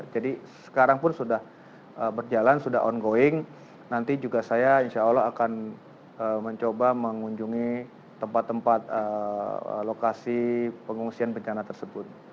jadi sekarang pun sudah berjalan sudah on going nanti juga saya insya allah akan mencoba mengunjungi tempat tempat lokasi pengungsian bencana tersebut